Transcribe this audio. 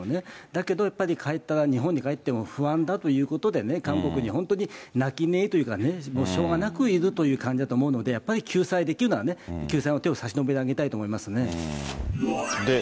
だけどやっぱり帰ったら、日本に帰っても不安だということでね、韓国に、本当に泣き寝入りというかね、もうしょうがなくいるという感じだと思うので、やっぱり救済できるなら、救済の手を差し伸べてあげたいと思いますね。